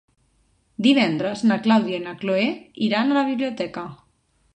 Divendres na Clàudia i na Cloè iran a la biblioteca.